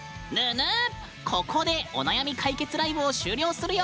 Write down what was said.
ここで「お悩み解決ＬＩＶＥ」を終了するよ。